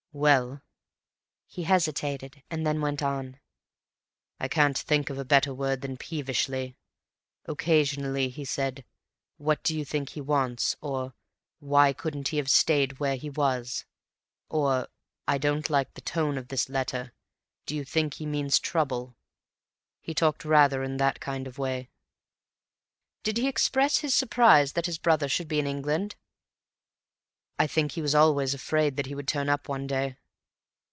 "Well—" he hesitated, and then went on. "I can't think of a better word than 'peevishly.' Occasionally he said, 'What do you think he wants?' or 'Why couldn't he have stayed where he was?' or 'I don't like the tone of his letter. Do you think he means trouble?' He talked rather in that kind of way." "Did he express his surprise that his brother should be in England?" "I think he was always afraid that he would turn up one day."